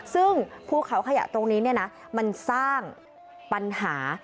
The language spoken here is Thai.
ซึ่งภูเขาขยะตรงนี้มันสร้างปัญหา